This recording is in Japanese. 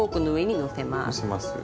のせます。